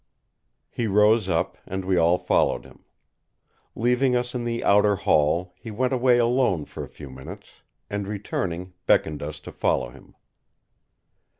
He rose up, and we all followed him. Leaving us in the outer hall, he went away alone for a few minutes; and returning, beckoned us to follow him.